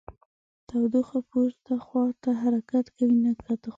تودوخه پورته خواته حرکت کوي نه ښکته خواته.